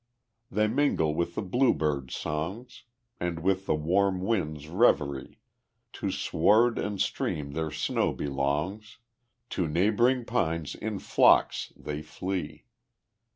They mingle with the bluebird's songs, And with the warm wind's reverie; To sward and stream their snow belongs, To neighboring pines in flocks they flee.